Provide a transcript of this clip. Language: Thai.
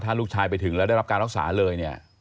ถ้าลูกชายไปถึงแล้วได้รับการรักษาเลยเนี่ย